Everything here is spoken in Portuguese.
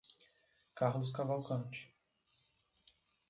Carlos Cavalcante